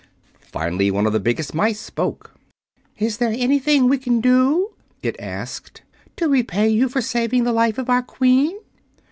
Finally one of the biggest mice spoke. "Is there anything we can do," it asked, "to repay you for saving the life of our Queen?"